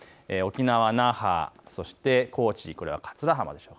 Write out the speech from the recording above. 沖縄、那覇、そして高知、これは桂浜。